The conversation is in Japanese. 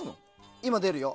今、出るよ。